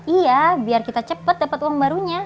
iya biar kita cepet dapet uang barunya